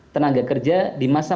tenaga kerja di masa